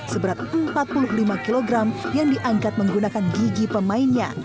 seberat empat puluh lima kg yang diangkat menggunakan gigi pemainnya